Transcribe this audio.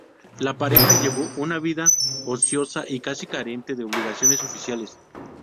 La pareja llevó una vida ociosa y casi carente de obligaciones oficiales.